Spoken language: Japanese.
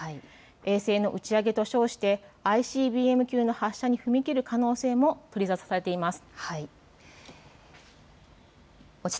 衛星の打ち上げと称してＩＣＢＭ級の発射に踏み切る可能性も取り沙汰されています。